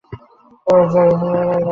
ওরা যে উড়নচণ্ডী, ওরা ওড়াতেই জানে।